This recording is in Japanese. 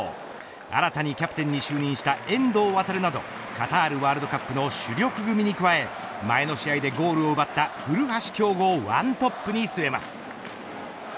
新たにキャプテンに就任した遠藤航などカタールワールドカップの主力組に加え前の試合でゴールを奪った古橋亨梧をワントップに据えます。